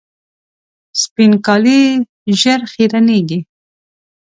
سپین کالي ژر خیرنېږي.